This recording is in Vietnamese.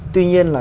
tuy nhiên là